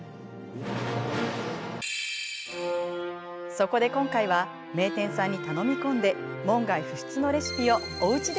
そこで今回は名店さんに頼み込んで門外不出のレシピをおうちでもできるように大公開！